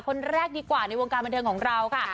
คนแรกดีกว่าในวงการบันเทิงของเราค่ะ